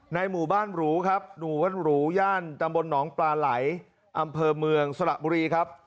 หมู่บ้านหรูครับหมู่บ้านหรูย่านตำบลหนองปลาไหลอำเภอเมืองสระบุรีครับ